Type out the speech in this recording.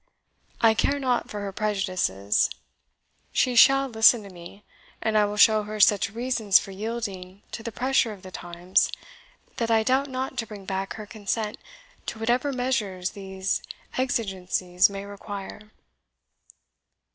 I care not for her prejudices she SHALL listen to me; and I will show her such reasons for yielding to the pressure of the times that I doubt not to bring back her consent to whatever measures these exigencies may require."